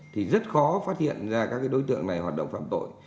thì rất khó phát hiện ra các đối tượng này hoạt động phạm tội